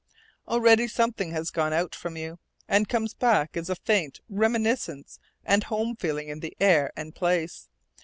Already something has gone out from you, and comes back as a faint reminiscence and home feeling in the air and place.